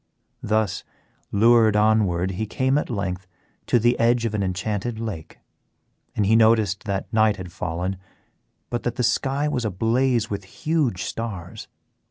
Thus lured onward he came at length to the edge of an enchanted lake, and he noticed that night had fallen but that the sky was ablaze with huge stars.